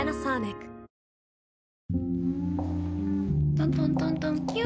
トントントントンキュ。